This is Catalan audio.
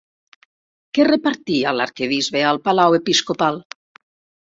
Què repartia l'arquebisbe al palau episcopal?